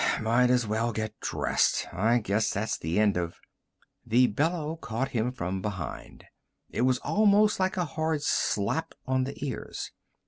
"Might as well get dressed. I guess that's the end of " The bellow caught him from behind; it was almost like a hard slap on the ears.